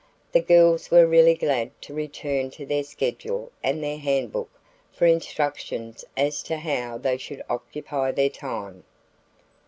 The girls were really glad to return to their schedule and their handbook for instructions as to how they should occupy their time.